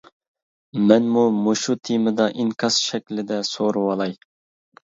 مەنمۇ مۇشۇ تېمىدا ئىنكاس شەكلىدە سورىۋالاي.